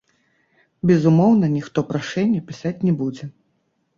Безумоўна, ніхто прашэнне пісаць не будзе.